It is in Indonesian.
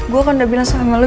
gue kan udah bilang sama lo